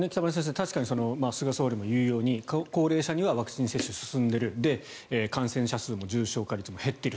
確かに菅総理も言うように高齢者にはワクチン接種が進んでいる感染者数も重症化率も減っている。